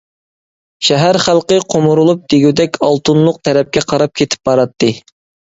شەھەر خەلقى قومۇرۇلۇپ دېگۈدەك ئالتۇنلۇق تەرەپكە قاراپ كېتىپ باراتتى.